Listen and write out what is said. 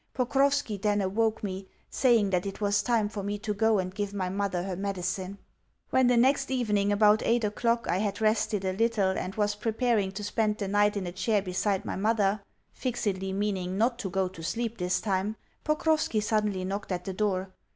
Pokrovski then awoke me, saying that it was time for me to go and give my mother her medicine. When the next evening, about eight o'clock, I had rested a little and was preparing to spend the night in a chair beside my mother (fixedly meaning not to go to sleep this time), Pokrovski suddenly knocked at the door.